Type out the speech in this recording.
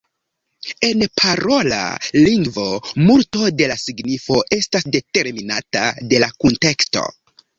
En parola lingvo, multo de la signifo estas determinata de la kunteksto.